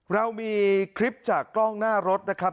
เรามีคลิปจากกล้องหน้ารถนะครับ